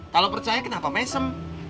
kalau percaya kenapa mesem